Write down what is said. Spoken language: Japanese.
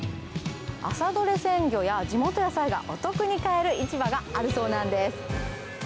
朝どれ鮮魚や地元野菜がお得に買える市場があるそうなんです。